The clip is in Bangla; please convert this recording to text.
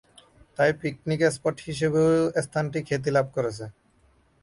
তাই পিকনিক স্পট হিসেবেও স্থানটি খ্যাতি লাভ করেছে।